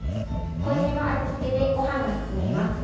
濃いめの味付けでごはんが進みます。